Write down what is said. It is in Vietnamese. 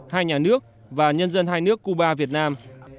hai nhà nước và nhân dân hai nước cuba việt nam